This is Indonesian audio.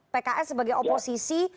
pks sebagai oposisi